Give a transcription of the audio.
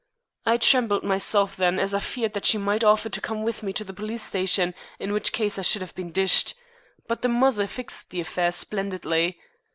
I trembled myself then, as I feared that she might offer to come with me to the police station, in which case I should have been dished. But the mother fixed the affair splendidly.